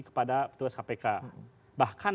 kepada petugas kpk bahkan